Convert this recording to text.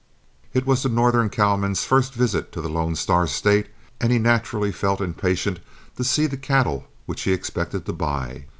It was the northern cowman's first visit to the Lone Star State, and he naturally felt impatient to see the cattle which he expected to buy.